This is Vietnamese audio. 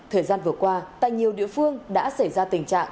thời gian vừa qua tại nhiều địa phương đã xảy ra tình trạng